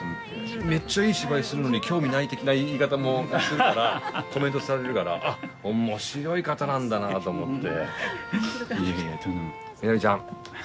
めっちゃいい芝居するのに興味ない的な言い方もするからコメントされるから面白い方なんだなと思って。